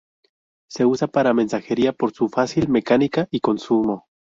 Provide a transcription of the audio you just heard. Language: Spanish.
Se usa para mensajería por su fácil mecánica y consumo.